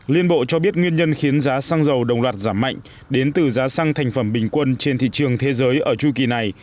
liên bộ cho biết nguyên nhân khiến giá xăng dầu đồng loạt giảm mạnh đến từ giá xăng thành phẩm bình quân trên thị trường thế giới ở chu kỳ này